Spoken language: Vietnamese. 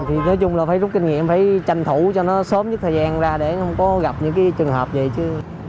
thì nói chung là phải rút kinh nghiệm phải tranh thủ cho nó sớm nhất thời gian ra để không có gặp những cái trường hợp vậy chưa